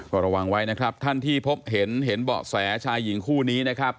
ก็ระวังไว้นะครับท่านที่พบเห็นเห็นเบาะแสชายหญิงคู่นี้นะครับ